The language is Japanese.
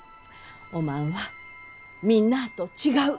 おまんはみんなあと違う。